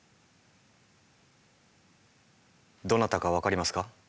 どなたか分かりますか？